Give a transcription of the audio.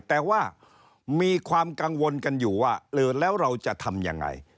แต่ว่ามีความกังวลกันอยู่ว่าเออแล้วเราจะทำยังไง